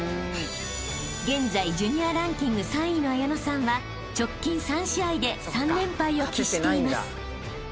［現在ジュニアランキング３位の彩乃さんは直近３試合で３連敗を喫しています］